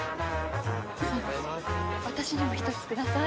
私にも１つください。